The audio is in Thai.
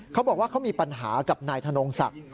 เขาบอกว่าเขามีปัญหากับนายธนงศักดิ์